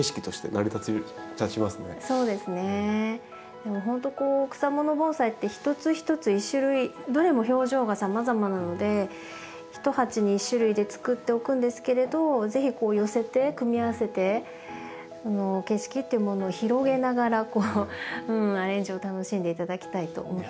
でもほんとこう草もの盆栽ってひとつひとつ一種類どれも表情がさまざまなので一鉢に一種類でつくっておくんですけれど是非こう寄せて組み合わせて景色っていうものを広げながらアレンジを楽しんで頂きたいと思っています。